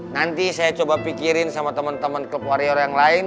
nanti saya coba pikirin sama teman teman klub warrior yang lain